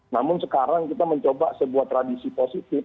namun sekarang kita mencoba sebuah tradisi positif